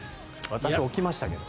置きましたけど。